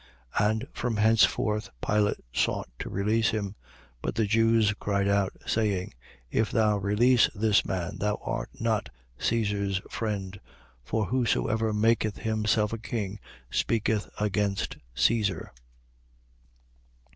19:12. And from henceforth Pilate sought to release him. But the Jews cried out, saying: If thou release this man, thou art not Caesar's friend. For whosoever maketh himself a king speaketh against Caesar.